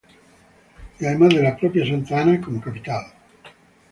Y además de la propia Santa Ana, como capital.